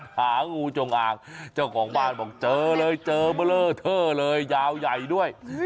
หางูจงอ่างเจ้าของบ้านบอกเจอเลยเจอเบลอเทอร์เลยยาวใหญ่ด้วย